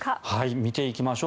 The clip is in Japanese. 見ていきましょう。